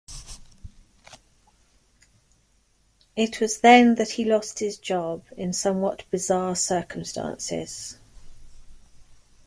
It was then that he lost his job in somewhat bizarre circumstances.